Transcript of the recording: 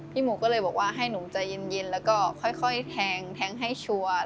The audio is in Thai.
หมูก็เลยบอกว่าให้หนูใจเย็นแล้วก็ค่อยแทงให้ชัวร์